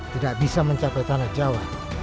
tidak bisa mencapai tanah jawa